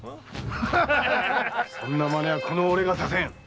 そんな真似はこの俺がさせん。